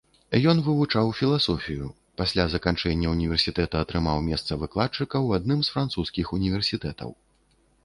Ён вывучаў філасофію, пасля заканчэння ўніверсітэта атрымаў месца выкладчыка ў адным з французскіх універсітэтаў.